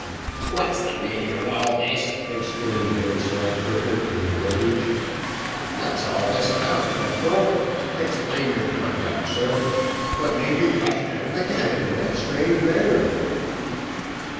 "What's the meaning of all this?" exclaimed Vanslyperken, in a rage. "What is all this about, corporal? Explain your conduct, sir. What made you rush out of the cabin in that strange manner?"